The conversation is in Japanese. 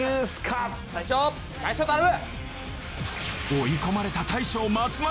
追い込まれた大将松丸